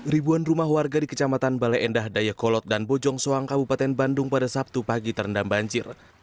ribuan rumah warga di kecamatan bale endah dayakolot dan bojong soang kabupaten bandung pada sabtu pagi terendam banjir